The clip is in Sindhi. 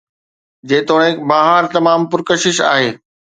جيتوڻيڪ بهار تمام پرڪشش آهي